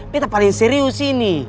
betta paling serius ini